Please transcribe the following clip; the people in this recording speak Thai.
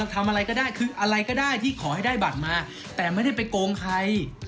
ทำอะไรมาก็ได้